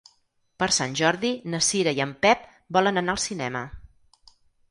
Per Sant Jordi na Cira i en Pep volen anar al cinema.